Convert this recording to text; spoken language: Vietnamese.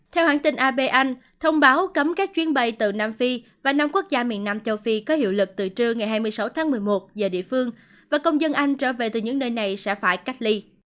theo hãng tin ap anh thông báo cấm các chuyến bay từ nam phi và năm quốc gia miền nam châu phi có hiệu lực từ trưa ngày hai mươi sáu tháng một mươi một giờ địa phương và công dân anh trở về từ những nơi này sẽ phải cách ly